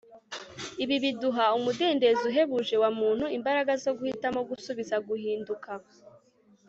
ibi biduha umudendezo uhebuje wa muntu imbaraga zo guhitamo, gusubiza, guhinduka